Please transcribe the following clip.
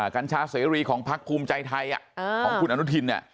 กัญชาเสรีของพักภูมิใจไทยของคุณอนุทินเนี่ย